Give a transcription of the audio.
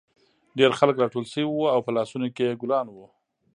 ډېر خلک راټول شوي وو او په لاسونو کې یې ګلان وو